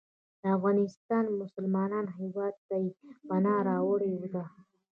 د افغانستان مسلمان هیواد ته یې پناه راوړې ده.